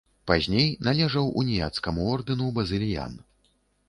Пазней належаў уніяцкаму ордэну базыльян.